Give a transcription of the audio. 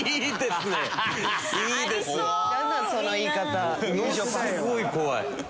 すごい怖い。